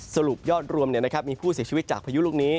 สรุปยอดรวมมีผู้เสียชีวิตจากพายุลูกนี้